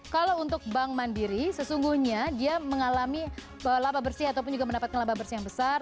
kalau untuk bank mandiri sesungguhnya dia mengalami laba bersih ataupun juga mendapatkan laba bersih yang besar